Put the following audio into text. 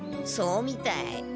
そうみたい。